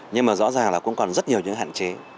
nhưng mà rõ ràng là cũng còn rất nhiều những hạn chế